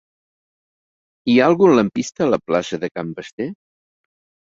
Hi ha algun lampista a la plaça de Can Basté?